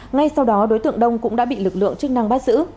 ngay sau đó đối tượng đông cũng đã bị lực lượng chức năng bắt giữ